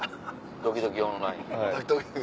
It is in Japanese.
ドキドキオンライン。